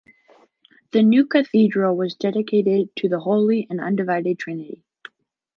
The new cathedral was dedicated to the Holy and Undivided Trinity.